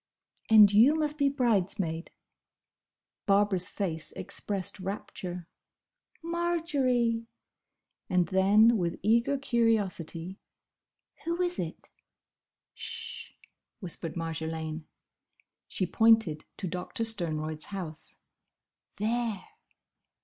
"And you must be bridesmaid!" Barbara's face expressed rapture. "Marjory!" And then with eager curiosity, "Who is it?" "Sh!" whispered Marjolaine. She pointed to Doctor Sternroyd's house. "There!"